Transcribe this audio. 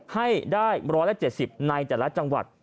ให้ได้๑๗๐ในแต่ละจังหวัด